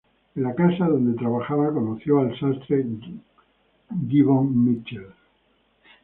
En la casa donde trabajaba, conoció al sastre Gibbon Mitchell.